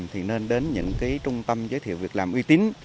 thì nên đến những trung tâm giới thiệu việc làm uy tín